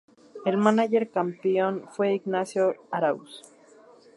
El mánager campeón fue Ignacio Arauz.